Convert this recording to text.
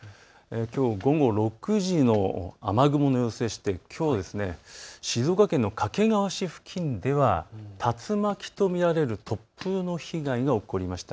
きょう午後６時の雨雲の様子できょうは静岡県の掛川市付近では竜巻と見られる突風の被害が起こりました。